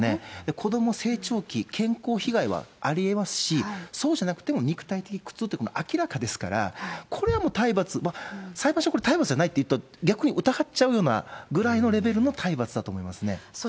子どもは成長期、健康被害もありえますし、そうじゃなくても肉体的苦痛ってもう明らかですから、これはもう体罰ですから、裁判所、これ体罰じゃないといったら、逆に疑っちゃうようなぐらいのレベルの体罰だと思いますね。